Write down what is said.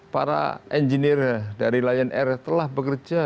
para engineer dari lion air telah bekerja